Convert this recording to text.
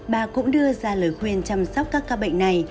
bà cũng đưa ra lời khuyên chăm sóc các ca bệnh này